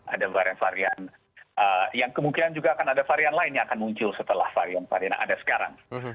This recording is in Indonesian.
ada varian varian yang kemungkinan juga akan ada varian lain yang akan muncul setelah varian varian yang ada sekarang